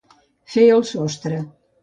Fer el sostre.